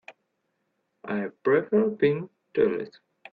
I prefer pink toilets.